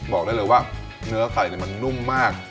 บอกได้เลยว่าเนื้อไข่มันนุ่มมาก